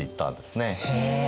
へえ。